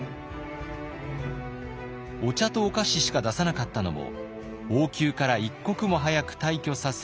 お茶とお菓子しか出さなかったのも王宮から一刻も早く退去させ